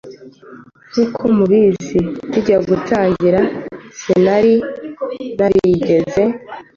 nkuko mu bizi bijya gutangira sinari narigeze